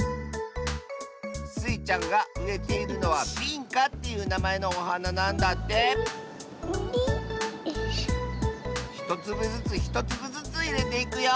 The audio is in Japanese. スイちゃんがうえているのは「ビンカ」っていうなまえのおはななんだってひとつぶずつひとつぶずついれていくよ。